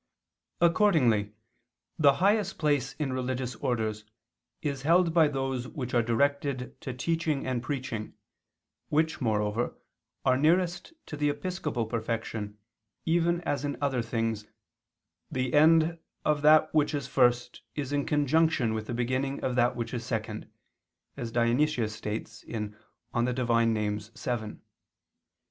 Accordingly the highest place in religious orders is held by those which are directed to teaching and preaching, which, moreover, are nearest to the episcopal perfection, even as in other things "the end of that which is first is in conjunction with the beginning of that which is second," as Dionysius states (Div. Nom. vii).